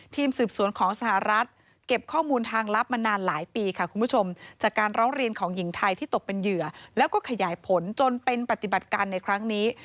ทีมสืบสวนของสหรัฐเก็บข้อมูลทางลับมานานหลายปีค่ะคุณผู้ชมจากการร้องเรียนของหญิงไทยที่ตกเป็นเหยื่อแล้วก็ขยายผลจนเป็นปฏิบัติการในครั้งนี้